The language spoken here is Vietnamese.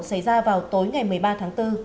xảy ra vào tối ngày một mươi ba tháng bốn